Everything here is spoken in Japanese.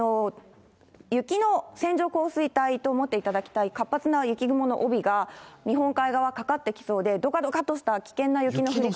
雪の線状降水帯と思っていただきたい、活発な雪雲の帯が、日本海側かかってきそうで、どかどかっとした、危険な雪の降り方